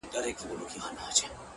نه په مسجد، په درمسال، په کليسا کي نسته